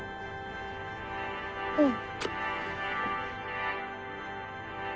うん。